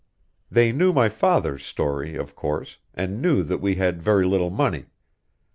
"They knew my father's story, of course, and knew that we had very little money.